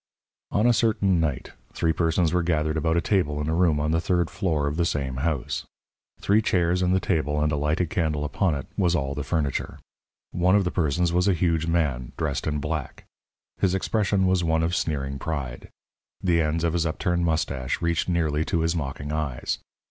On a certain night three persons were gathered about a table in a room on the third floor of the same house. Three chairs and the table and a lighted candle upon it was all the furniture. One of the persons was a huge man, dressed in black. His expression was one of sneering pride. The ends of his upturned moustache reached nearly to his mocking eyes.